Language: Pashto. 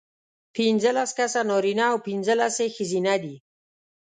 پینځلس کسه نارینه او پینځلس یې ښځینه دي.